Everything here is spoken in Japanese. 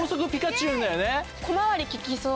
小回りききそう。